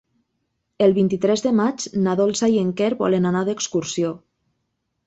El vint-i-tres de maig na Dolça i en Quer volen anar d'excursió.